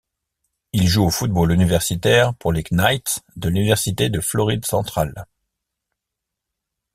Il joue au football universitaire pour les Knights de l'université de Floride centrale.